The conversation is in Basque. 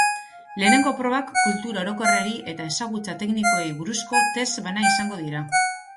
Lehenengo probak kultura orokorrari eta ezagutza teknikoei buruzko test bana izango dira.